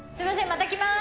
また来ます。